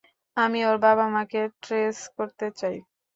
আমি ওর বাবা-মাকে ট্রেস করতে চাই।